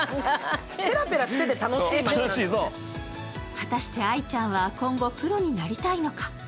果たして相ちゃんは今後、プロになりたいのか。